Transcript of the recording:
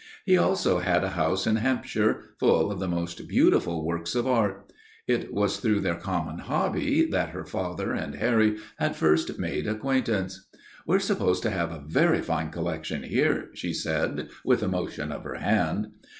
He also had a house in Hampshire, full of the most beautiful works of art. It was through their common hobby that her father and Harry had first made acquaintance. "We're supposed to have a very fine collection here," she said, with a motion of her hand.